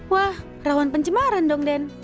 wah rawan pencemaran dong den